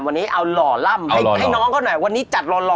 วันนี้เอาหล่อล่ำให้น้องเขาหน่อยวันนี้จัดหล่อ